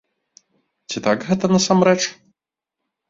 Ці так гэта насамрэч?